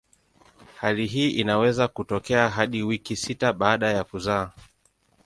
Hali hii inaweza kutokea hadi wiki sita baada ya kuzaa.